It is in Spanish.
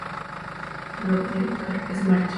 Blog de Carles Martí